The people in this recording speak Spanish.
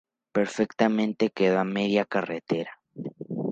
Perfectamente quedó a media carretera.